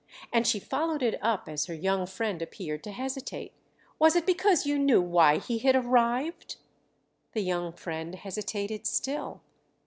And she followed it up as her young friend appeared to hesitate. "Was it because you knew why he had arrived?" The young friend hesitated still.